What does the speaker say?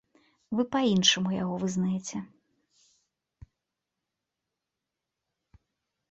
Вы па-іншаму яго вызнаеце.